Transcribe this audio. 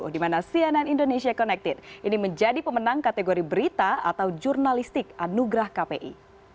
di mana cnn indonesia connected ini menjadi pemenang kategori berita atau jurnalistik anugerah kpi